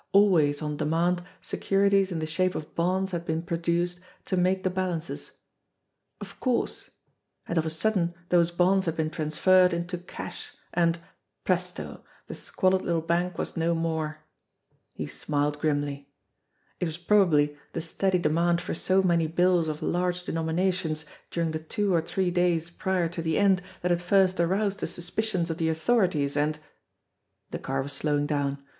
Always on demand securities in the shape of bonds had been produced to make the bal ances. Of course ! And of a sudden those bonds had been transferred into cash, and presto ! the squalid little bank was no more ! He smiled grimly. It was probably the steady demand for so many bills of large denominations during the two or three days prior to the end that had first aroused the suspicions of the authorities, and The car was slowing down.